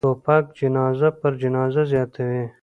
توپک جنازه پر جنازه زیاتوي.